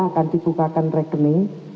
akan dibuka rekening